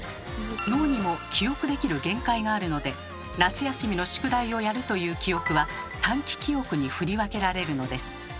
脳にも記憶できる限界があるので「夏休みの宿題をやる」という記憶は短期記憶に振り分けられるのです。